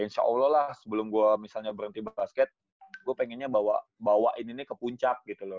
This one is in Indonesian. insya allah lah sebelum gue misalnya berhenti basket gue pengennya bawain ini ke puncak gitu loh